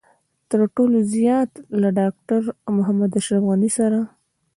تر ټولو زيات له ډاکټر محمد اشرف غني سره.